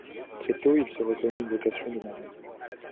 Très tôt il se reconnaît une vocation de marin.